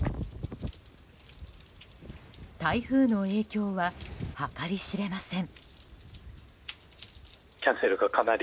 台風の影響は計り知れません。